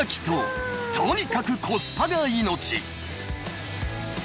［とにかくコスパが命！］